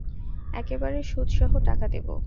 একেবারে সুদ সহ টাকা দেবো।